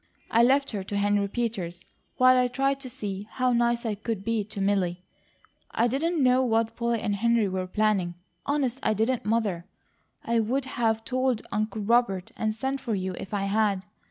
I left her to Henry Peters, while I tried to see how nice I could be to Milly. I didn't know what Polly and Henry were planning; honest, I didn't, Mother. I would have told Uncle Robert and sent for you if I had.